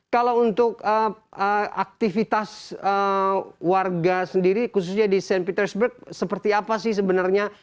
kalau untuk aktivitas warga sendiri khususnya di st petersburg seperti apa sih sebenarnya